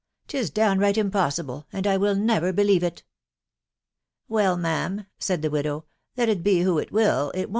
'Tis downright impossible, and I never will believe it." " Well, ma am/' said the widow, « let it be who it will, it wo'n'.